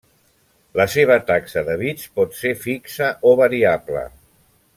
La seva taxa de bits pot ser fixa o variable.